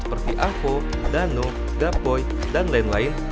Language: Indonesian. seperti avo dano gapoy dan lain lain